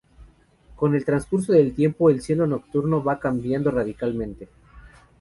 Con el transcurso del tiempo el cielo nocturno va cambiando radicalmente.